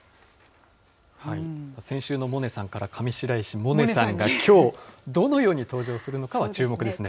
先週のモネさんから上白石萌音さんが、きょう、どのように登場するのかは、注目ですね。